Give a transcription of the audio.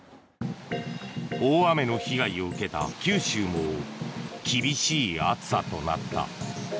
大雨の被害を受けた九州も厳しい暑さとなった。